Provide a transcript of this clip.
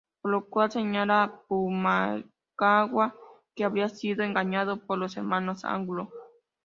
Por lo cual señala Pumacahua, que habría sido engañado, por los hermanos Angulo.